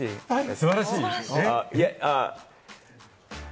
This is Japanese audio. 素晴らしい！